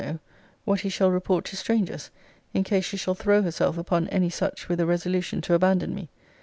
know what he shall report to strangers in case she shall throw herself upon any such with a resolution to abandon me.